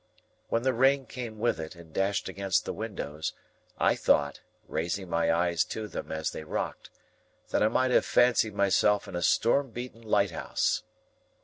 When the rain came with it and dashed against the windows, I thought, raising my eyes to them as they rocked, that I might have fancied myself in a storm beaten lighthouse.